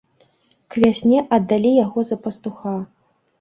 К вясне аддалі яго за пастуха.